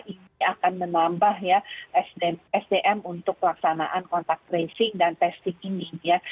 ini akan menambah ya sdm untuk pelaksanaan kontak tracing dan testing ini ya